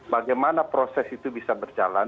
bagaimana proses itu bisa berjalan